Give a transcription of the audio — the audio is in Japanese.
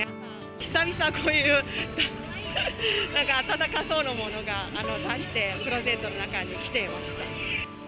久々、こういう、なんか暖かさそうなものが出して、クローゼットの中から着ていました。